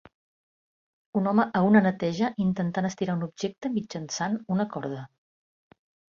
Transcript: Un home a una neteja intentant estirar un objecte mitjançant una corda.